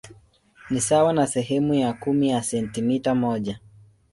Ni sawa na sehemu ya kumi ya sentimita moja.